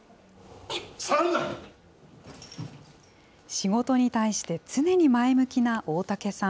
仕事に対して常に前向きな大竹さん。